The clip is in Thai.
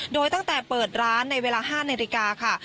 โดยตั้งแต่เปิดร้านในเวลา๕นาฬิกาค่ะ